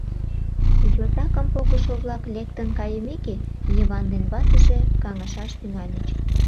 Йозакым погышо-влак лектын кайымеке, Йыван ден ватыже каҥашаш тӱҥальыч.